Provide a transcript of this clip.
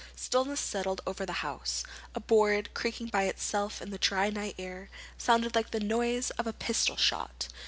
Stillness settled over the house. A board, creaking by itself in the dry night air, sounded like the noise of a pistol shot.